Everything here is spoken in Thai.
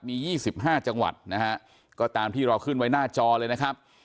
มี๒๕จังหวัดนะฮะก็ตามที่เราขึ้นไว้หน้าจอเลยนะครับ